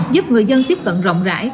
giúp người dân tiếp cận rộng rãi